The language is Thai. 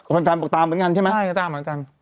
แฟนบอกตามเหมือนกันใช่ไหมใช่ก็ตามเหมือนกัน